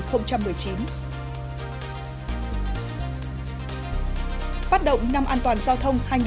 phát động năm an toàn giao thông hai nghìn hai mươi